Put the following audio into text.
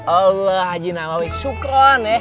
allah haji namawi sukron ya